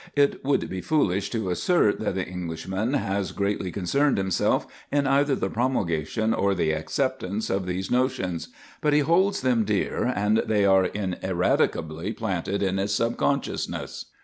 It would be foolish to assert that the Englishman has greatly concerned himself in either the promulgation or the acceptance of these notions. But he holds them dear, and they are ineradicably planted in his subconsciousness.